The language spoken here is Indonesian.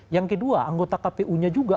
yang kedua anggota kpu nya juga